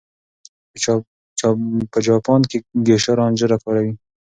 په جاپان کې ګېشا رانجه کاروي.